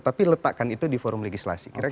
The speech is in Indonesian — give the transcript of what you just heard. tapi letakkan itu di forum legislasi